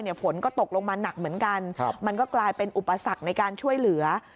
ฝนก็ตกลงมาหนักเหมือนกันมันก็กลายเป็นอุปสรรคในการช่วยเหลือ